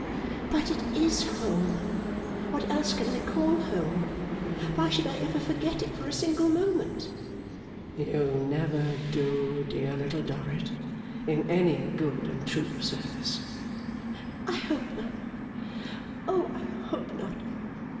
'But it is home! What else can I call home? Why should I ever forget it for a single moment?' 'You never do, dear Little Dorrit, in any good and true service.' 'I hope not, O I hope not!